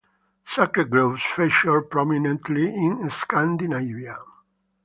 Sacred groves feature prominently in Scandinavia.